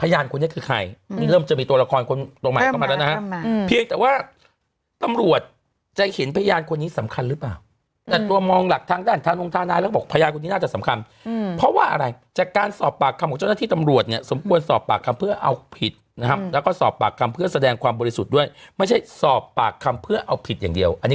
พยานคนนี้คือใครนี่เริ่มจะมีตัวละครคนตัวใหม่เข้ามาแล้วนะฮะเพียงแต่ว่าตำรวจจะเห็นพยานคนนี้สำคัญหรือเปล่าแต่ตัวมองหลักทางด้านธานงทานายแล้วก็บอกพยานคนนี้น่าจะสำคัญเพราะว่าอะไรจากการสอบปากคำของเจ้าหน้าที่ตำรวจเนี่ยสมควรสอบปากคำเพื่อเอาผิดนะครับแล้วก็สอบปากคำเพื่อแสดงความบริสุทธิ์ด้วยไม่ใช่สอบปากคำเพื่อเอาผิดอย่างเดียวอันนี้